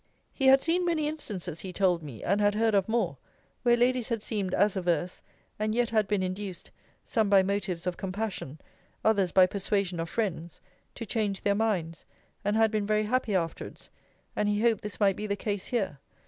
He had seen many instances, he told me, and had heard of more, where ladies had seemed as averse, and yet had been induced, some by motives of compassion, others by persuasion of friends, to change their minds; and had been very happy afterwards: and he hoped this might be the case here.